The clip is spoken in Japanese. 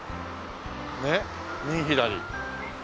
ねっ右左。